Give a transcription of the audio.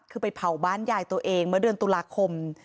คือไปเผาบ้านยายตัวเองเมื่อเดือนตุลาคม